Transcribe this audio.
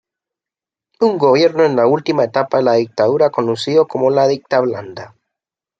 Un gobierno en la última etapa de la dictadura conocido como la "dictablanda".